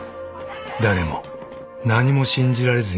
［誰も何も信じられずにいる］